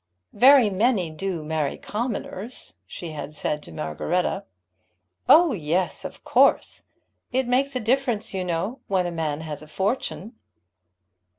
"Very many do marry commoners," she had said to Margaretta. "Oh, yes, of course. It makes a difference, you know, when a man has a fortune."